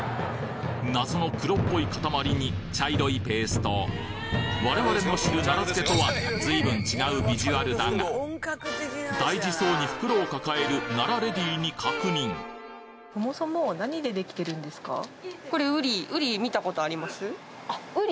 謎の黒っぽい塊に茶色いペースト我々の知る奈良漬とはずいぶん違うビジュアルだが大事そうに袋を抱えるこれうり。